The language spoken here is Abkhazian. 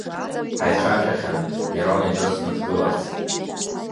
Ҳаицәажәахьан Мирон иҿы сныдгыларц.